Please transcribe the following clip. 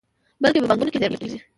بلکې په بانکونو کې زېرمه کیږي.